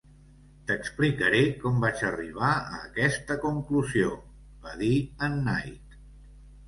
"T"explicaré com vaig arribar a aquesta conclusió", va dir en Knight.